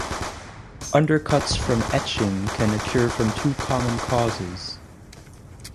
Undercuts from etching can occur from two common causes.